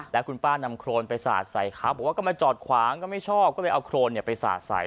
แล้วคุณป้านำโครนไปสาดใส่เขาบอกว่าก็มาจอดขวางก็ไม่ชอบก็เลยเอาโครนไปสาดใส่